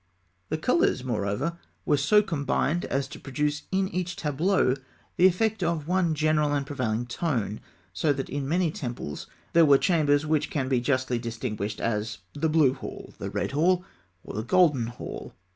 The colours, moreover, were so combined as to produce in each tableau the effect of one general and prevailing tone; so that in many temples there were chambers which can be justly distinguished as the Blue Hall, the Red Hall, or the Golden Hall.